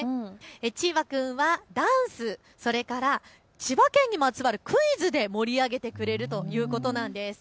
チーバくんはダンス、それから千葉県にまつわるクイズで盛り上げてくれるということなんです。